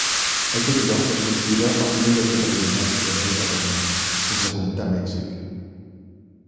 Aquest lloc es considera el primer lloc de pelegrinatge d'Amèrica del Nord, sense comptar Mèxic.